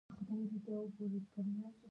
افغانستان په خپلو ښارونو ډېر غني هېواد دی.